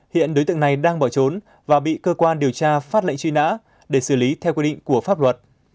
hiện đối tượng này đang bỏ trốn và bị cơ quan điều tra phát lệnh truy nã để xử lý theo quy định của pháp luật